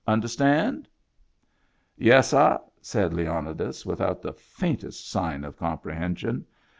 Understand ?" "Yes, sah," said Leonidas, without the faintest sign of comprehension.